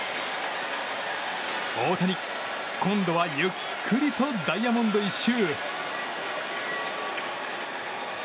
大谷、今度はゆっくりとダイヤモンド１周。